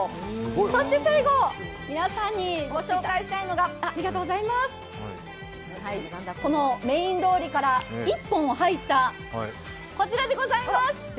そして最後、皆さんにご紹介したいのが、このメーン通りから１本入ったこちらでございます。